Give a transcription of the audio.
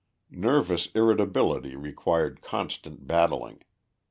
Nervous irritability required constant battling.